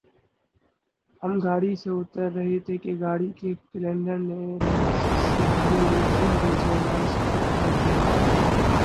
ہم گاڑی سے اتر رہے تھے کہ گاڑی کے کلنڈر نے لسی سے بھری ہوئی تین بوتلیں ہمارے سپرد کر دیں ۔